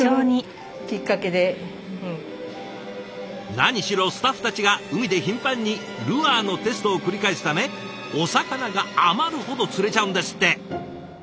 何しろスタッフたちが海で頻繁にルアーのテストを繰り返すためお魚が余るほど釣れちゃうんですって。